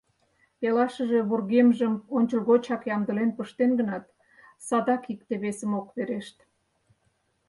Пелашыже вургемжым ончылгочак ямдылен пыштен гынат, садак икте-весым ок верешт.